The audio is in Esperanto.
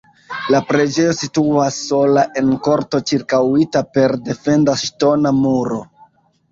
La preĝejo situas sola en korto ĉirkaŭita per defenda ŝtona muro.